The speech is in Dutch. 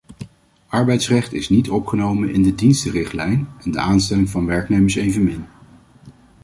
Arbeidsrecht is niet opgenomen in de dienstenrichtlijn, en de aanstelling van werknemers evenmin.